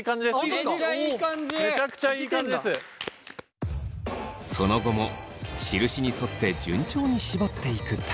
その後も印に沿って順調に絞っていく大我。